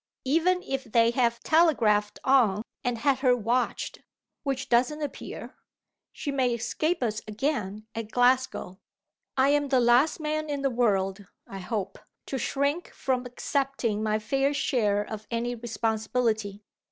Even if they have telegraphed on and had her watched (which doesn't appear), she may escape us again at Glasgow. I am the last man in the world, I hope, to shrink from accepting my fair share of any responsibility.